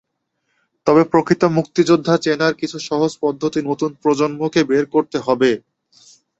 তবে প্রকৃত মুক্তিযোদ্ধা চেনার কিছু সহজ পদ্ধতি নতুন প্রজন্মকেই বের করতে হবে।